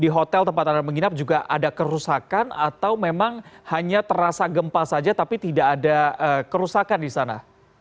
di hotel tempat anda menginap juga ada kerusakan atau memang hanya terasa gempa saja tapi tidak ada kerusakan di sana